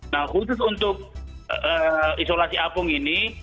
nah khusus untuk isolasi apung ini